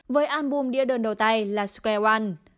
với album đĩa đơn đầu tay là square one